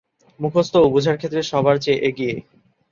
মুখস্থ ও বুঝার ক্ষেত্রে সবার চেয়ে এগিয়ে।